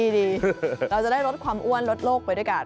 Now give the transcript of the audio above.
เราจะได้ลดความอ้วนลดโลกไปด้วยกัน